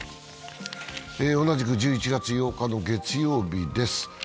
同じく１１日８日の月曜日です。